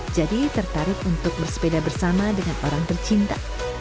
jadi tertarik untuk bersepeda bersama dengan orang tercinta